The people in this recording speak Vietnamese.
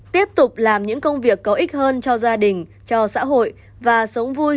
tiếp tục làm những công việc có ích hơn cho gia đình cho xã hội và sống vui